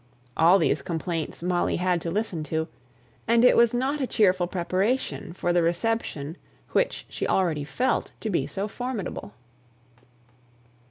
All these complaints Molly had to listen to, and it was not a cheerful preparation for the reception which she already felt to be so formidable.